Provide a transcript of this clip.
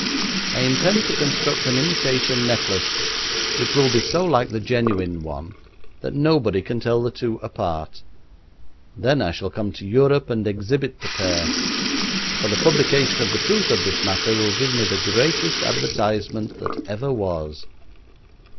I intend to construct an imitation necklace which will be so like the genuine one that nobody can tell the two apart; then I shall come to Europe and exhibit the pair, for the publication of the truth of this matter will give me the greatest advertisement that ever was.